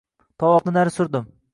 Tovoqni nari surdim.